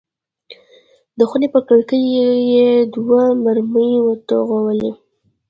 د خونې پر کړکۍ یې دوه مرمۍ وتوغولې.